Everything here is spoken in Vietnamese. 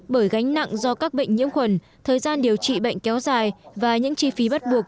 bởi gánh nặng do các bệnh nhiễm khuẩn thời gian điều trị bệnh kéo dài và những chi phí bắt buộc